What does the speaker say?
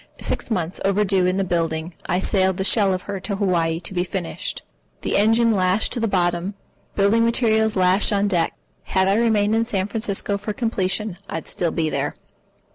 Six months overdue in the building, I sailed the shell of her to Hawaii to be finished, the engine lashed to the bottom, building materials lashed on deck. Had I remained in San Francisco for completion, I'd still be there.